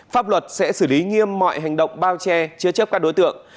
pháp luật sẽ xử lý nghiêm mọi hành động bao che chứa chấp các đối tượng